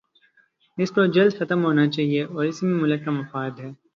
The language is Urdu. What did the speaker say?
اس کو جلد ختم ہونا چاہیے اور اسی میں ملک کا مفاد ہے۔